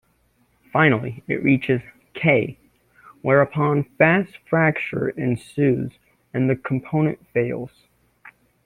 Finally it reaches "K", whereupon fast fracture ensues and the component fails.